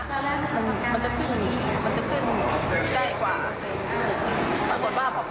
แล้วสะกดว่าพอเดินไปก็อีกแล้ว